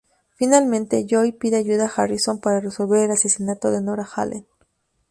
Finalmente, Joe pide ayuda a Harrison para resolver el asesinato de Nora Allen.